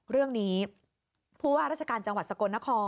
เรื่องนี้ผู้ว่าราชการจังหวัดสกลนคร